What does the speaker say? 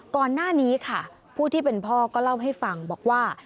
ก่อนหน้านี้ค่ะผู้ที่เป็นพ่อก็เล่าให้ฟังบอกว่า